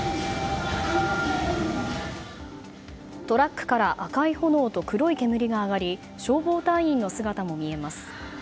トラックから赤い炎と黒い煙が上がり消防隊員の姿も見えます。